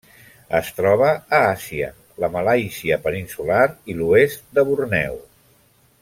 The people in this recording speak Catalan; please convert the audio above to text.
Es troba a Àsia: la Malàisia peninsular i l'oest de Borneo.